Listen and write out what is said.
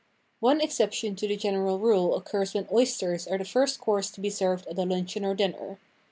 One exception to the general rule oc curs when oysters are the first course to be served at a luncheon or dinner.